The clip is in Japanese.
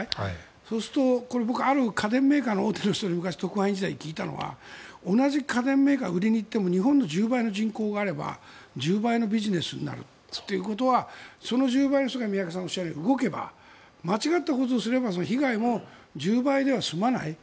そうすると、ある家電メーカー大手の人に昔、特派員時代に聞いたのは同じ家電メーカー売りに行っても日本の人口１０倍あれば１０倍のビジネスになるということはその１０倍の人が動けば間違ったことをすれば被害も１０倍では済まない。